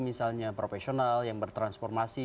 misalnya profesional yang bertransformasi